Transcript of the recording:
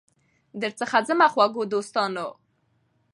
درڅخه ځمه خوږو دوستانو